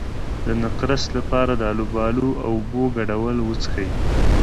د نقرس لپاره د الوبالو او اوبو ګډول وڅښئ